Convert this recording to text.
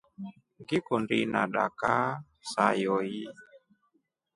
Ngikundi inadakaa saa yoyi.